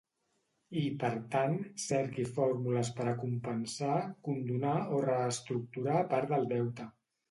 I, per tant, cerqui fórmules per a compensar, condonar o reestructurar part del deute.